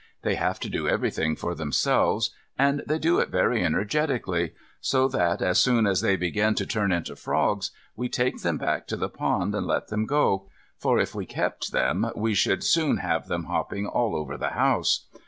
They have to do everything for themselves. And they do it very energetically. So that as soon as they begin to turn into frogs, we take them back to the pond and let them go; for if we kept them we should soon have them hopping all over the house.